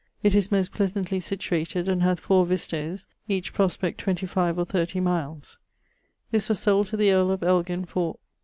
It is most pleasantly situated and hath fower visto's, each prospect 25 or 30 miles. This was sold to the earle of Elgin for